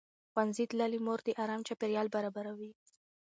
ښوونځې تللې مور د ارام چاپېریال برابروي.